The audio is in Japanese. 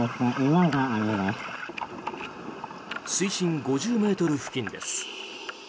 水深５０ｍ付近です。